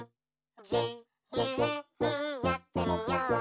「じゆうにやってみよう」